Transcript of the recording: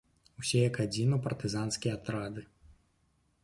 Усе, як адзін, у партызанскія атрады!